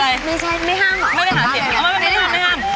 ไม่ได้หาเสียงไม่ห้ามไม่ห้าม